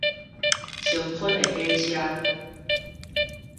青春的火車